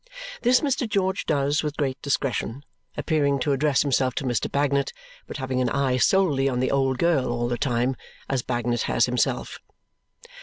This Mr. George does with great discretion, appearing to address himself to Mr. Bagnet, but having an eye solely on the old girl all the time, as Bagnet has himself.